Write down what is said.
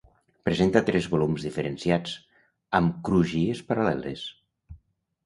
Presenta tres volums diferenciats, amb crugies paral·leles.